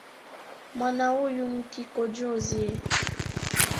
Mwana huyu n'kikojozi